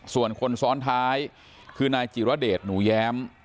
ส่วนคนซ้อนท้ายคือนายจิรเดชหนูแย้ม